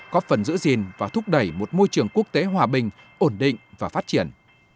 có phần giữ gìn và thúc đẩy một môi trường quốc tế hòa bình ổn định và phát triển